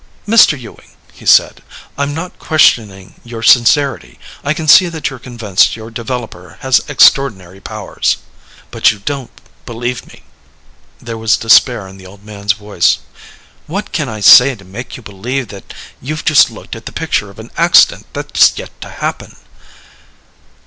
"Mr. Ewing," he said, "I'm not questioning your sincerity. I can see that you're convinced your developer has extraordinary powers." "But you don't believe me." There was despair in the old man's voice. "What can I say to make you believe that you've just looked at the picture of an accident that's yet to happen."